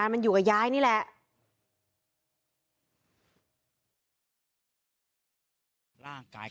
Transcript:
คุณสังเงียมต้องตายแล้วคุณสังเงียม